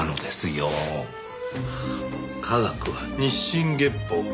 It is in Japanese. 科学は日進月歩。